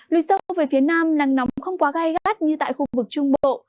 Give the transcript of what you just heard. lùi sâu về phía nam nắng nóng không quá gai gắt như tại khu vực trung bộ